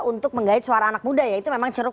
untuk menggait suara anak muda ya itu memang ceruk